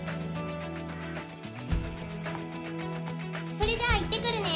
それじゃあいってくるね。